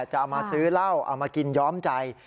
จะเอามาซื้อเหล้าเอามากินย้อมใจ